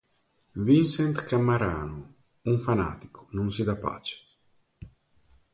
Vincent Cammarano, un fanatico, non si dà pace.